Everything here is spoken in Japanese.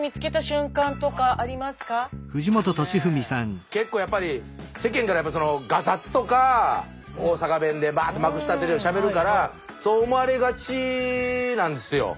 俺ね結構やっぱり世間からがさつとか大阪弁でバーッとまくしたてるようにしゃべるからそう思われがちなんですよ。